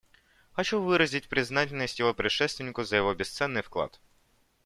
Хочу выразить признательность его предшественнику за его бесценный вклад.